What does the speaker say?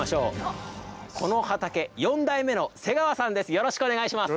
よろしくお願いします。